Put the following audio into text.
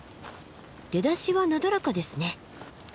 出だしはなだらかですね。